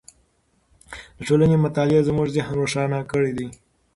د ټولنې مطالعې زموږ ذهن روښانه کړی دی.